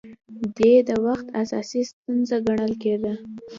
دې د وخت اساسي ستونزه ګڼل کېده